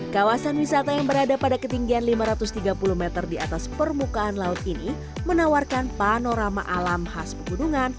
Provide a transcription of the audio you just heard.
kawasan wisata yang berada pada ketinggian lima ratus tiga puluh meter di atas permukaan laut ini menawarkan panorama alam khas pegunungan